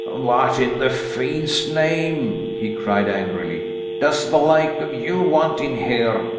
"What in the fiend's name," he cried angrily, "does the like of you want in here?"